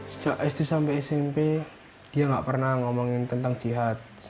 sejak sd sampai smp dia nggak pernah ngomongin tentang jihad